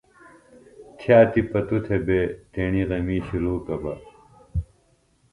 تھیہ تیپہ توۡ تھےۡ بےۡ تیݨی غمیۡ شُلوکہ بہ۔